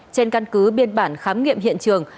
trên căn cứ biên bản khám nghiệm hiện trường